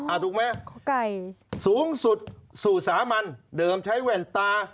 อ๋ออ่าถูกไหมขอกไก่สูงสุดสู่สามัญเดิมใช้แว่นตา